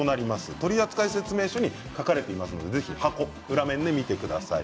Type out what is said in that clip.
取扱説明書に書かれていますので箱の裏面を見てください。